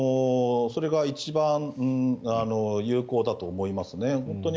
それが一番有効だと思いますね。